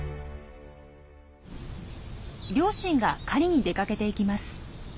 両親が狩りに出かけていきます。